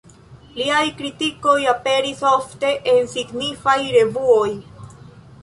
Liaj kritikoj aperis ofte en signifaj revuoj.